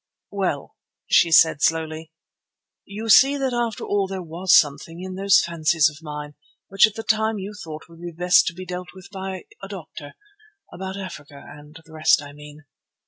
"Well," she said slowly, "you see that after all there was something in those fancies of mine which at the time you thought would best be dealt with by a doctor—about Africa and the rest, I mean."